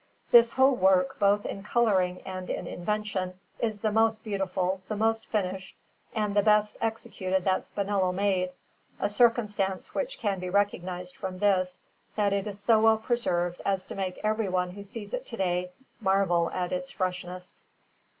This whole work, both in colouring and in invention, is the most beautiful, the most finished, and the best executed that Spinello made, a circumstance which can be recognized from this, that it is so well preserved as to make everyone who sees it to day marvel at its freshness.